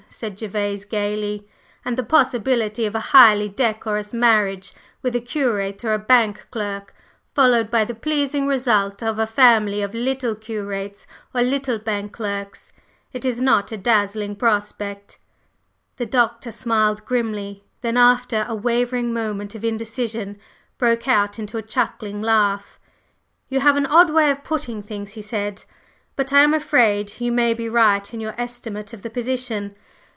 said Gervase gayly. "And the possibility of a highly decorous marriage with a curate or a bank clerk, followed by the pleasing result of a family of little curates or little bank clerks. It is not a dazzling prospect!" The Doctor smiled grimly; then after a wavering moment of indecision, broke out into a chuckling laugh. "You have an odd way of putting things," he said. "But I'm afraid you may be right in your estimate of the position.